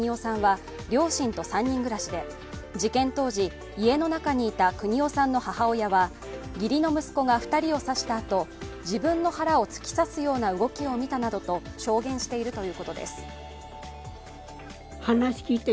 運指と３人暮らしで、事件当時家の中にいた母親は邦雄さんの母親は義理の息子が２人を刺したあと自分の腹を突き刺すような動きを見たなどと証言していたという。